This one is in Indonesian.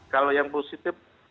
kalau yang positif